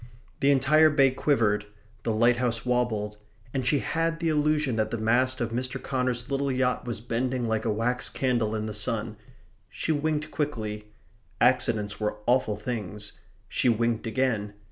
The entire bay quivered; the lighthouse wobbled; and she had the illusion that the mast of Mr. Connor's little yacht was bending like a wax candle in the sun. She winked quickly. Accidents were awful things. She winked again.